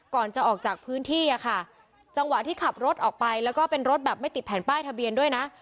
ก่อนจะออกจากพื้นที่อะค่ะจังหวะที่ขับรถออกไปแล้วก็เป็นรถแบบไม่ติดแผ่นป้ายทะเบียนด้วยนะ